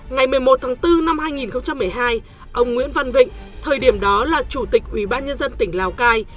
ngày một mươi một tháng bốn năm hai nghìn một mươi hai ông nguyễn văn vịnh thời điểm đó là chủ tịch ubnd tỉnh lào cai